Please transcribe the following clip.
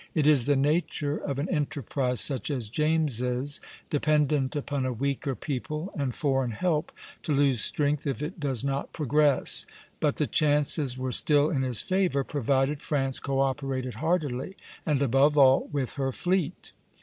It is the nature of an enterprise such as James's, dependent upon a weaker people and foreign help, to lose strength if it does not progress; but the chances were still in his favor, provided France co operated heartily, and above all, with her fleet.